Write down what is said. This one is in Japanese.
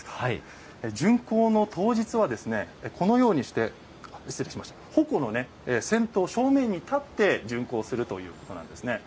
巡行の当日はこのようにして、鉾の先頭正面に立って巡行するということなんですね。